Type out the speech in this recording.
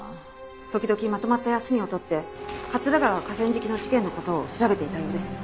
時々まとまった休みを取って桂川河川敷の事件の事を調べていたようです。